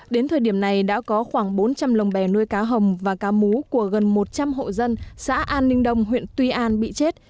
đến thời điểm này đã có khoảng bốn trăm linh lồng bè nuôi cá hồng và cá mú của gần một trăm linh hộ dân xã an ninh đông huyện tuy an bị chết